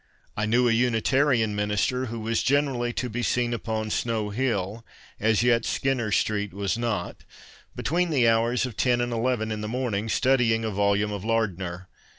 I knew a Unitarian minister who was generally to be seen upon Snow Hill (as yet Skinner's Street was not) between the hours of ten and eleven in the morning studying a volume of Lardner.